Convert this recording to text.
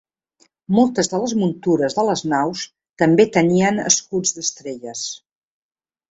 Moltes de les muntures de les naus també tenien escuts d'estelles.